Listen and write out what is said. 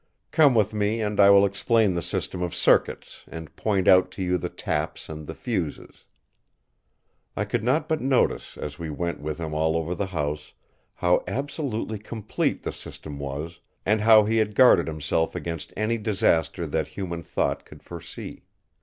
Come with me and I will explain the system of circuits, and point out to you the taps and the fuses." I could not but notice, as we went with him all over the house, how absolutely complete the system was, and how he had guarded himself against any disaster that human thought could foresee.